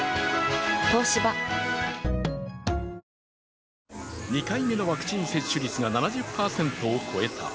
東芝２回目のワクチン接種率が７０％を超えた。